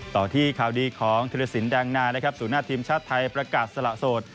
ต่อที่ข่าวดีของธิรษิณแดงดาสู่หน้าทีมชัตริย์ไทยประกาศสละโสด